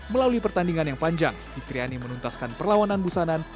melalui pertandingan yang panjang fikriani menuntaskan perlawanan busanan